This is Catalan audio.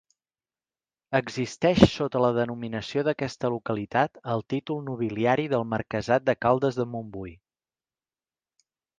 Existeix sota la denominació d'aquesta localitat el títol nobiliari del marquesat de Caldes de Montbui.